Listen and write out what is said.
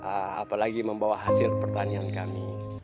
apalagi membawa hasil pertanian kami